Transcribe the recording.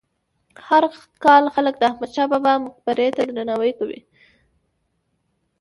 هر کال خلک د احمد شاه بابا مقبرې ته درناوی کوي.